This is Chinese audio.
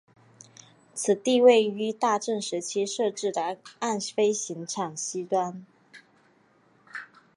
此地位于大正时期设置的岸飞行场西端。